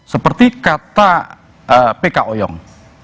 seperti kata p k ouyong